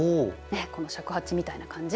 ねっこの尺八みたいな感じ。